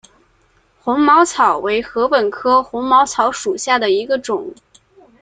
红毛草为禾本科红毛草属下的一个种。